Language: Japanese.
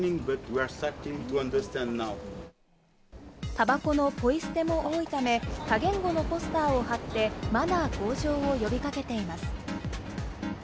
タバコのポイ捨ても多いため、多言語のポスターを貼って、マナー向上を呼び掛けています。